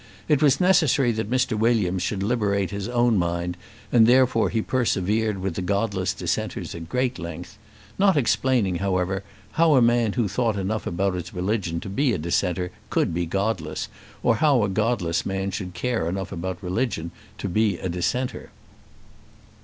It was necessary that Mr. Williams should liberate his own mind, and therefore he persevered with the godless dissenters at great length, not explaining, however, how a man who thought enough about his religion to be a dissenter could be godless, or how a godless man should care enough about religion to be a dissenter.